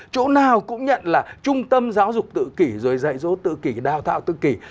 chỗ nào cũng nhận là trung tâm giáo dục tự kỷ rồi dạy dỗ tự kỷ đào tạo tự kỷ